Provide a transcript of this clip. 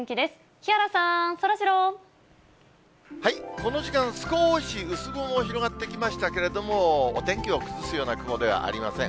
木原さん、この時間、少し薄雲も広がってきましたけれども、お天気を崩すような雲ではありません。